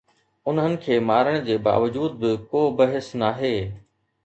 انهن کي مارڻ جي باوجود به ڪو بحث ناهي.